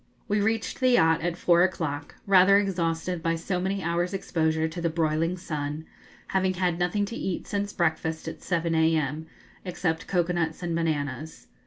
We reached the yacht at four o'clock, rather exhausted by so many hours' exposure to the broiling sun, having had nothing to eat since breakfast, at 7 a.m., except cocoa nuts and bananas.